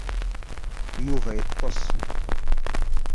Yuba yeṭṭes.